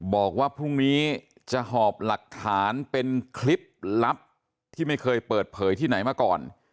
บอกว่าพรุ่งนี้จะหอบหลักฐานเป็นคลิปลับที่ไม่เคยเปิดเผยที่ไหนมาก่อน